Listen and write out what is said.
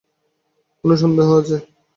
কোন সন্দেহ আছে?